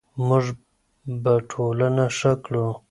موږ به ټولنه ښه کړو.